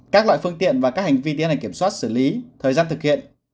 các loại phương tiện và các hành vi tiến hành kiểm soát xử lý thời gian thực hiện